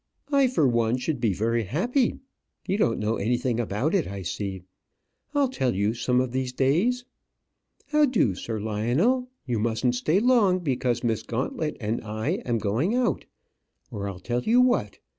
I for one should be very happy. You don't know anything about it, I see. I'll tell you some of these days. How do, Sir Lionel? You mustn't stay long, because Miss Gauntlet and I am going out. Or I'll tell you what.